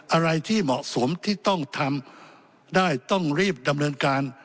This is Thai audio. อะไรที่เหมาะสมที่ต้องทำได้ต้องรีบดำเนินการ